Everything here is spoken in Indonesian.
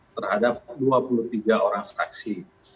terhadap dua puluh tiga orang saksi